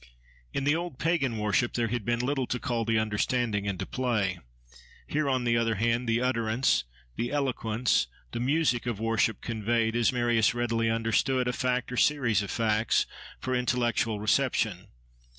In the old pagan worship there had been little to call the understanding into play. Here, on the other hand, the utterance, the eloquence, the music of worship conveyed, as Marius readily understood, a fact or series of facts, for intellectual reception.